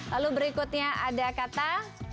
lalu berikutnya ada kata